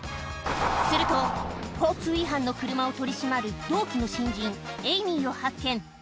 すると、交通違反の車を取り締まる同期の新人、エイミーを発見。